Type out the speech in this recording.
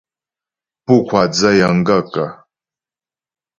Pú ŋkwáa dzə́ yəŋ gaə̂kə̀ ?